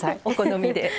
お好みで。